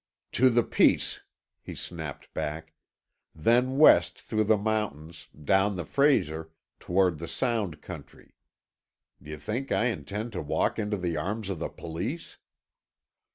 "To the Peace," he snapped back. "Then west through the mountains, down the Fraser, toward the Sound country. D'ye think I intend to walk into the arms of the Police?"